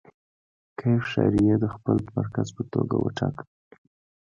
کیف ښاریې د خپل مرکز په توګه وټاکه.